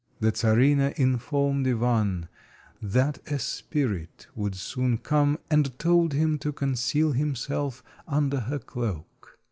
The Czarina informed Ivan that a spirit would soon come, and told him to conceal himself under her cloak.